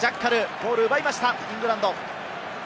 ボールを奪いました、イングランド。